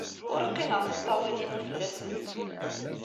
Ur qqineɣ tiṭṭawin-inu fell-asent.